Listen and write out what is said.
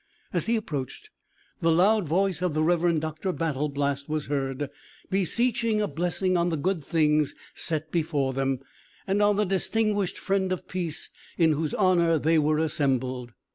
As he approached, the loud voice of the Rev. Dr. Battleblast was heard, beseeching a blessing on the good things set before them, and on the distinguished friend of peace in whose honour they were assembled.